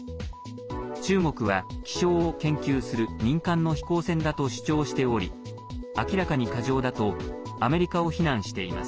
中国は、気象を研究する民間の飛行船だと主張しており明らかに過剰だとアメリカを非難しています。